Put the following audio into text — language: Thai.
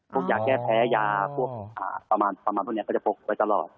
พวกยาแก้แพ้ยาพวกประมาณพวกนี้ก็จะพกไว้ตลอด